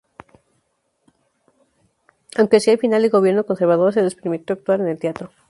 Aunque hacia el final del gobierno conservador se les permitió actuar en el teatro.